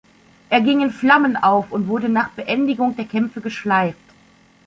Er ging in Flammen auf und wurde nach Beendigung der Kämpfe geschleift.